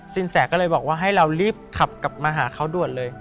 แสก็เลยบอกว่าให้เรารีบขับกลับมาหาเขาด่วนเลย